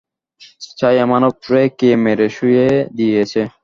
ছায়ামানব রে কে মেরে শুইয়ে দিয়েছে।